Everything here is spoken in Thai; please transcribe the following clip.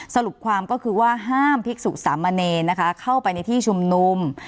สรุปความก็คือว่าห้ามภิกษุสามเณรนะคะเข้าไปในที่ชุมนุม